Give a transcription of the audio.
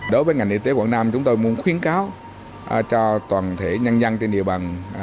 đối với ngành y tế quảng nam chúng tôi muốn khuyến cáo cho toàn thể nhân dân trên địa bàn